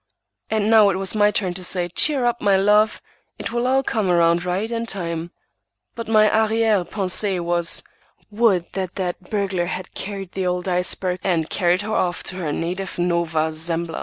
And now it was my turn to say, "Cheer up, my love! It will all come around right in time." But my arrière pensée was, "Would that that burglar had bagged the old iceberg, and carried her off to her native Nova Zemb